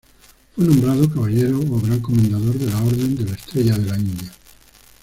Fue nombrado caballero gran comendador de la Orden de la Estrella de la India.